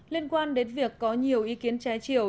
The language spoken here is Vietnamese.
liên quan đến việc có nhiều ý kiến trái chiều